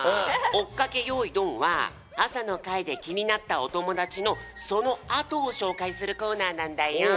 「おっかけよーいどん！」は朝の会できになったおともだちのそのあとをしょうかいするコーナーなんだよ。